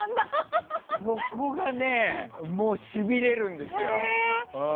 そこがね、もうしびれるんですよ。